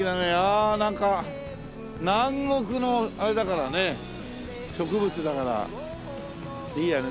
ああなんか南国のあれだからね植物だからいいよね